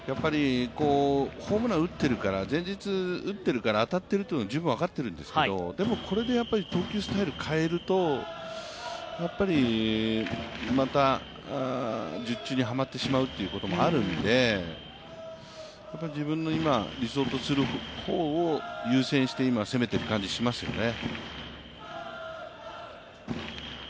ホームラン打ってるから前日打ってるから当たってるというのは十分分かってるんですけど、これで投球スタイル変えると、また術中にはまってしまうということもあるんで自分の今理想とする方を優先して今、攻めている感じがしますよね。